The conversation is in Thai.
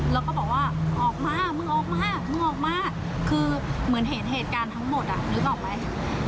แล้วก็บอกว่าออกมามึงออกมามึงออกมาคือเหมือนเห็นเหตุการณ์ทั้งหมดอ่ะนึกออกไหม